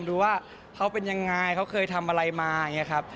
ดูว่าเขาเป็นยังไงเขาเคยทำอะไรมา